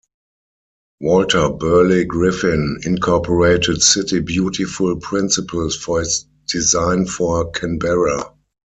Walter Burley Griffin incorporated City Beautiful principles for his design for Canberra.